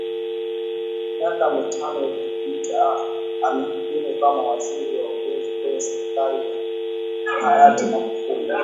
Miaka mitano iliyopita amehudumu kama Waziri wa Ulinzi kwenye serikali ya hayati Magufuli